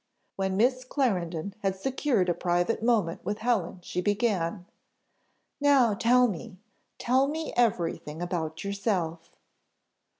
When Miss Clarendon had secured a private moment with Helen, she began. "Now tell me tell me everything about yourself."